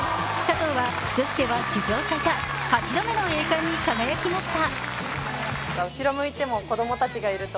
女子では史上最多８度目の栄冠に輝きました。